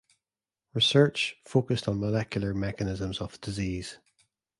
Research focused on molecular mechanisms of disease.